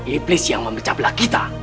iblis yang memecah belah kita